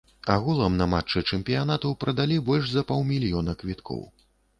Агулам на матчы чэмпіянату прадалі больш за паўмільёна квіткоў.